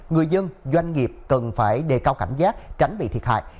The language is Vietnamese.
người dân doanh nghiệp cần phải đề cao cảnh giác tránh bị thiệt hại